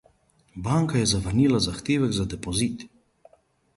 Banka je zavrnila zahtevek za depozit.